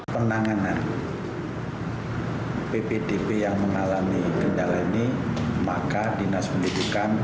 penanganan ppdb yang mengalami kendala ini maka dinas pendidikan